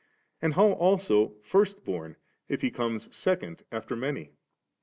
and how also * First born,' if He comes second after many